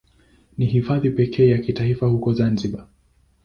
Ni Hifadhi pekee ya kitaifa huko Zanzibar.